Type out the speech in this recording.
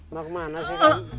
mau kemana sih kan